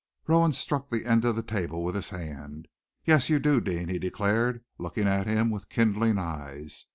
Rowan struck the end of the table with his hand. "Yes, you do, Deane!" he declared, looking at him with kindling eyes.